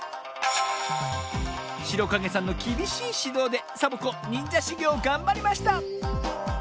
しろかげさんのきびしいしどうでサボ子にんじゃしゅぎょうをがんばりました